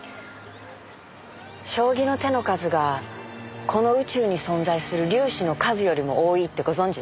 将棋の手の数がこの宇宙に存在する粒子の数よりも多いってご存じですか？